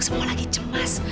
semua lagi cemas